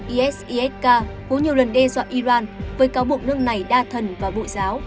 isisk vô nhiều lần đe dọa iran với cáo buộc nước này đa thần và bội giáo